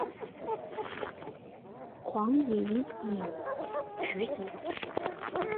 黄影影执行董事。